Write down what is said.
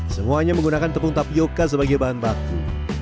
semuanya menggunakan tepung tapioca sebagai bahan baku